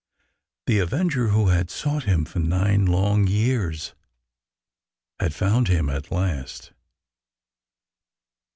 The avenger who had sought him for nine long years had found him at last.